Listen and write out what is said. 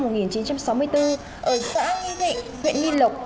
ở xã nghi thị huyện nghi lộc